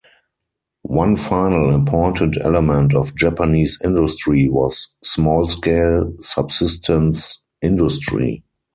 One final important element of Japanese industry was small-scale, subsistence industry.